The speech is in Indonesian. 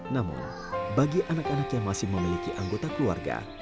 namun bagi anak anak yang masih memiliki anggota keluarga